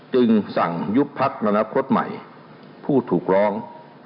จึงสั่งยุบพักอนาคตใหม่ผู้ถูกร้อง